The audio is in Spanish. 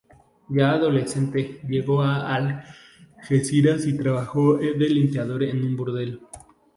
Ya adolescente, llegó a Algeciras y trabajó de limpiador en un burdel.